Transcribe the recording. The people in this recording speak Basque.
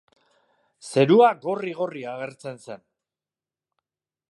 Zerua gorri-gorri agertzen zen.